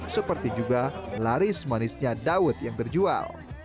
seperti juga laris manisnya dawet yang terjual